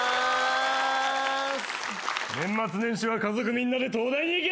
年末年始は家族みんなで東大に行け！